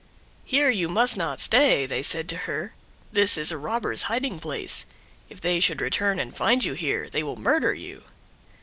"Here you must not stay," said they to her; "this is a robber's hiding place; if they should return and find you here, they will murder you."